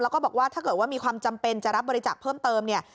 แล้วก็บอกว่าถ้าเกิดว่ามีความจำเป็นจะรับบริจาคเพิ่มเติมเนี่ย